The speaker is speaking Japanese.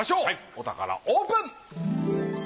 お宝オープン！